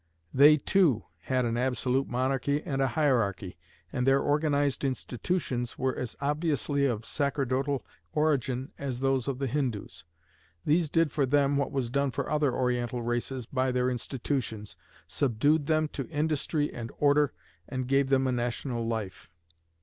They, too, had an absolute monarchy and a hierarchy, and their organized institutions were as obviously of sacerdotal origin as those of the Hindoos. These did for them what was done for other Oriental races by their institutions subdued them to industry and order, and gave them a national life.